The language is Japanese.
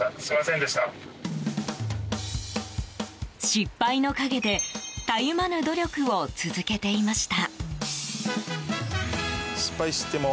失敗の陰でたゆまぬ努力を続けていました。